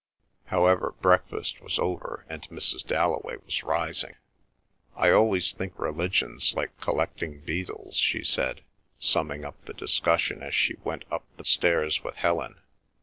However, breakfast was over and Mrs. Dalloway was rising. "I always think religion's like collecting beetles," she said, summing up the discussion as she went up the stairs with Helen.